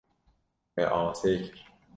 Me asê kir.